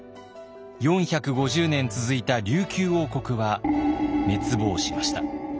４５０年続いた琉球王国は滅亡しました。